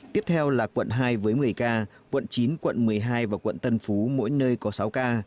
tiếp theo là quận hai với một mươi ca quận chín quận một mươi hai và quận tân phú mỗi nơi có sáu ca